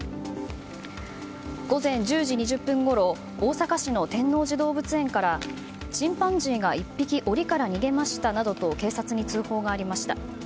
午前１０時２０分ごろ大阪市の天王寺動物園からチンパンジーが１匹檻から逃げましたなどと警察に通報がありました。